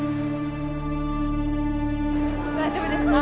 大丈夫ですか？